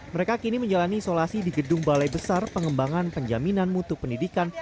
mereka kini menjalani isolasi di gedung balai besar pengembangan penjaminan mutu pendidikan